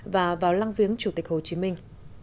và vào lăng viếng chủ tịch hồ chí minh